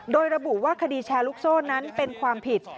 โดยระบุว่าคดีแชร์ลูกโซ่นั้นเป็นความผิด